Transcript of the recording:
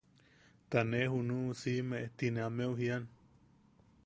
Ta ne junu siʼime ti ne ameu jian.